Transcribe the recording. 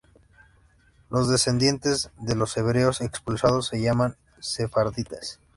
Los descendientes de los hebreos expulsados se llaman sefarditas.